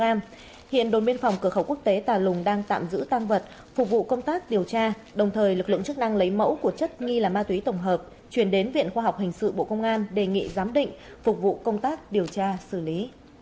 hiện đồn biên phòng cửa khẩu quốc tế tà lùng đang tạm giữ tăng vật phục vụ công tác điều tra đồng thời lực lượng chức năng lấy mẫu của chất nghi là ma túy tổng hợp chuyển đến viện khoa học hình sự bộ công an đề nghị giám định phục vụ công tác điều tra xử lý